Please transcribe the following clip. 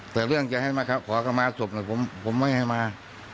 แต่เรื่องจะให้มาขอเข้ามาศพผมไม่ให้มา